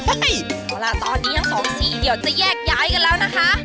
เอาล่ะตอนนี้ทั้งสองสีเดี๋ยวจะแยกย้ายกันแล้วนะคะ